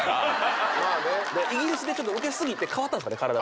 イギリスでちょっとウケ過ぎて変わったんすかね体。